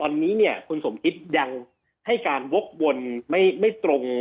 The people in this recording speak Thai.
ตอนนี้เนี่ยคุณสมคิดยังให้การวกวนไม่ตรง